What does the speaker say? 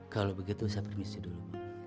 kalau begitu saya permisi dulu